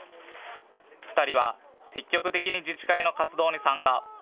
２人は積極的に自治会の活動に参加。